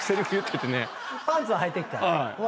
パンツははいてっから。